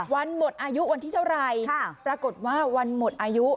วันหมดอายุวันที่เท่าไหร่ปรากฏว่าวันหมดอายุ